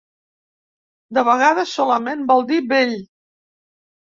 De vegades solament vol dir vell.